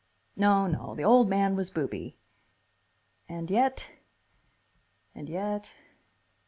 No, no, the old man was booby. And yet.... And yet....